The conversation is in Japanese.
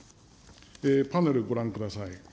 パネル、ご覧ください。